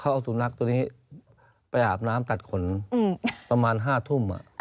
เขาเอาสุนัขตัวนี้ไปอาบน้ำตัดขนอืมประมาณห้าทุ่มอ่ะอ่า